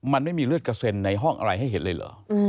มันไม่มีเลือดกระเซ็นในห้องอะไรให้เห็นเลยเหรอ